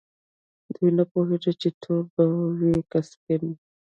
دوی نه پوهیږي چې تور به وي که سپین.